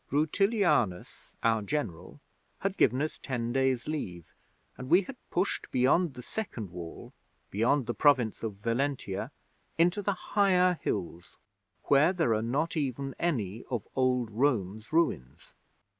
Rutilianus, our General, had given us ten days' leave, and we had pushed beyond the Second Wall beyond the Province of Valentia into the higher hills, where there are not even any of old Rome's ruins.